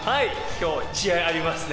今日試合ありますね